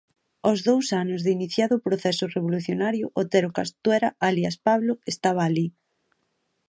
Aos dous anos de iniciado o proceso revolucionario, Otero Castuera, alias Pablo, estaba alí.